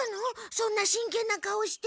そんな真けんな顔して。